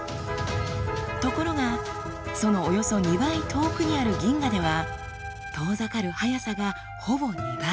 ところがそのおよそ２倍遠くにある銀河では遠ざかる速さがほぼ２倍。